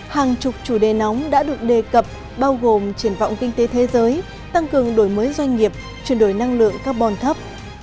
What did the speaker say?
hàng chục chủ đề nóng đã được đề cập bao gồm triển vọng kinh tế thế giới tăng cường đổi mới doanh nghiệp chuyển đổi năng lượng carbon thấp